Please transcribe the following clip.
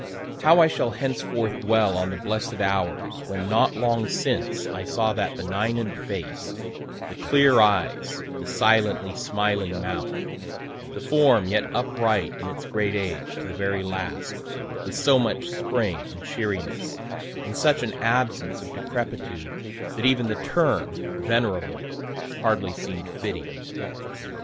How I shall henceforth dwell on the blessed hours when, not long since, I saw that benignant face, the clear eyes, the silently smiling mouth, the form yet upright in its great age to the very last, with so much spring and cheeriness, and such an absence of decrepitude, that even the term venerable hardly seem'd fitting.